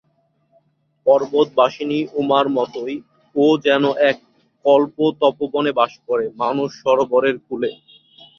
পর্বতবাসিনী উমার মতোই ও যেন এক কল্প-তপোবনে বাস করে, মানস-সরোবরের কূলে।